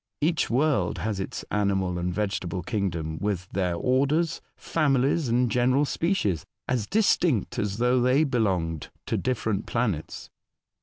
Each world has its animal and vegetable kingdom, with their orders, families, general species, as distinct as though they belonged to different planets."